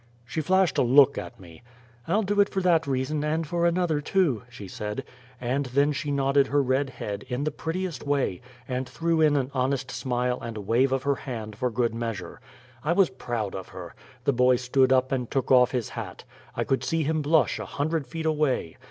She flashed a look at me. "I'll do it for that reason, and for another, too," she said. And then she nodded her red head, in the prettiest way, and threw in an honest smile and a wave of her hand for good measure. I was proud of her. The boy stood up and took off his hat. I could see him blush a hundred feet away.